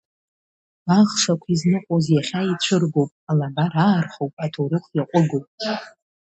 Гәаӷшақә изныҟәоз иахьа ицәыргоуп, алаба раархоуп, аҭоурых иаҟәыгоуп.